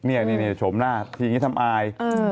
นี่โฉมหน้าทีนี้ทำอาย